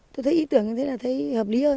tôi thấy ý tưởng như thế là thấy hợp lý hơn